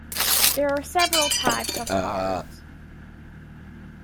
There are several types of cards.